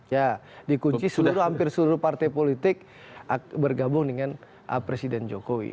ya dikunci seluruh hampir seluruh partai politik bergabung dengan presiden jokowi